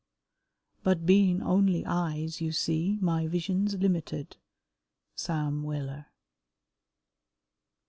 "But bein' only eyes, you see, my wision's limited." SAM WELLER.